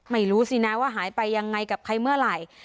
ไม่รู้สินะว่าหายไปยังไงกับใครเมื่อไหร่